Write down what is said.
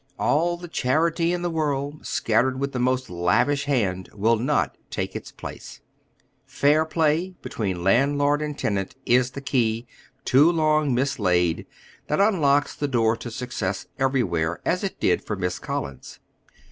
All the charity in the world, scattered with the most lavish hand, will not take its place, "Fair play" between landlord and tenant is the key, too long mislaid, that nnlocks the door to success everywhere as it did for Miss Collins.